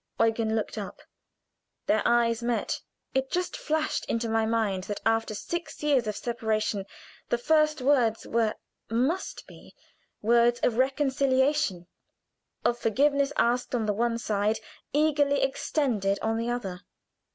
Eugen looked up. Their eyes met. It just flashed into my mind that after six years of separation the first words were must be words of reconciliation, of forgiveness asked on the one side, eagerly extended on the other.